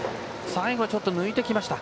最後、ちょっと抜いてきました。